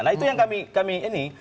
nah itu yang kami ini